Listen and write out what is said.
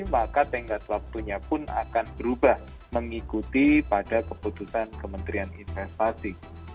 maka tenggat waktunya pun akan berubah mengikuti pada keputusan kementerian investasi